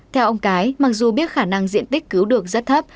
theo ông cái mặc dù biết khả năng diện tích cứu được rất thấp